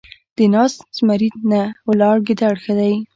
ـ د ناست زمري نه ، ولاړ ګيدړ ښه دی.